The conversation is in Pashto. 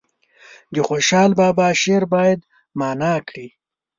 د خوشحال بابا شعر باید معنا کړي.